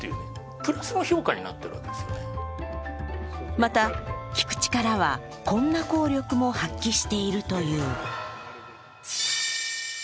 また、聞く力は、こんな効力も発揮しているという。